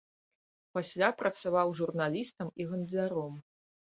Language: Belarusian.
Пасля працаваў журналістам і гандляром.